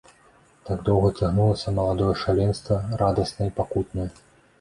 Так доўга цягнулася маладое шаленства, радаснае і пакутнае.